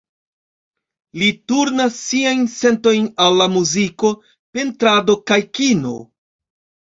Li turnas siajn sentojn al la muziko, pentrado kaj kino.